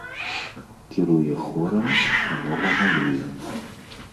Кіруе хорам, многа малюе.